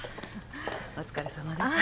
お疲れさまです。